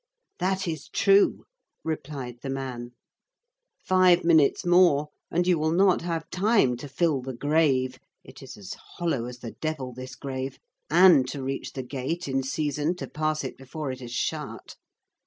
"That is true," replied the man. "Five minutes more and you will not have time to fill the grave, it is as hollow as the devil, this grave, and to reach the gate in season to pass it before it is shut."